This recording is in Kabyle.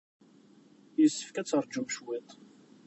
Yessefk ad teṛjum cwiṭ.